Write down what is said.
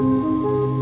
tidak ada yang tahu